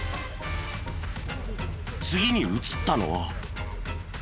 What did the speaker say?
次に映ったのは。